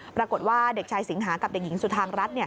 ปรากฏว่าเด็กชายสิงหากับเด็กหญิงสุธางรัฐ